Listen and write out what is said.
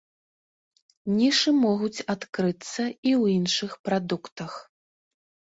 Нішы могуць адкрыцца і ў іншых прадуктах.